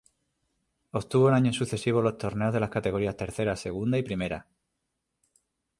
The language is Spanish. Obtuvo en años sucesivos los torneos de las categorías tercera, segunda y primera.